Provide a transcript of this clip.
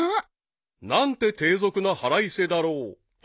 ［何て低俗な腹いせだろう］